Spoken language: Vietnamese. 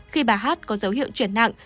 khi bà hát có dấu hiệu chuyển nặng